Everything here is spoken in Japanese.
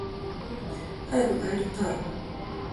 早く帰りたい